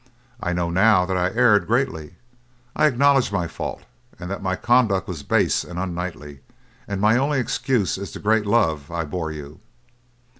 I know now that I erred greatly. I acknowledge my fault, and that my conduct was base and unknightly, and my only excuse is the great love I bore you.